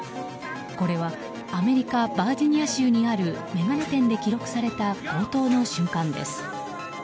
これはアメリカ・バージニア州にある眼鏡店で記録された強盗の瞬間です。